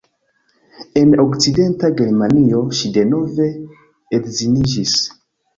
En Okcidenta Germanio ŝi denove edziniĝis.